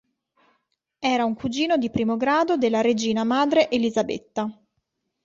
Era un cugino di primo grado della regina madre Elisabetta.